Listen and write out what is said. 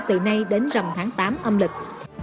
từ nay đến rầm tháng tám âm lịch